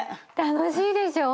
楽しいでしょ？